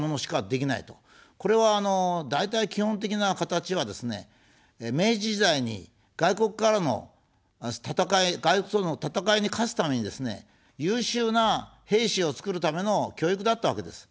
これは、あの、大体基本的な形はですね、明治時代に外国からの戦い、外国との戦いに勝つためにですね、優秀な兵士を作るための教育だったわけです。